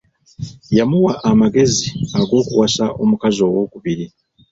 Yamuwa amagezi ag'okuwasa omukazi ow'okubiri.